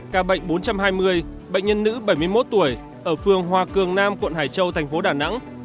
các bệnh bốn trăm hai mươi bệnh nhân nữ bảy mươi một tuổi ở phường hoa cường nam quận hải châu tp đà nẵng